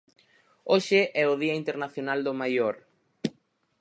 Hoxe é o Día Internacional do Maior.